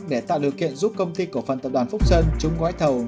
để tạo điều kiện giúp công ty cổ phần tập đoàn phúc sơn trúng gói thầu